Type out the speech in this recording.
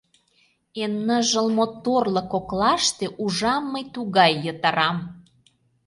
Эн ныжыл моторлык коклаште Ужам мый тугай йытырам.